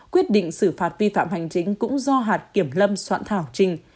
quyết định xử phạt vi phạm hành chính cũng do hạt kiểm lâm soạn thảo trình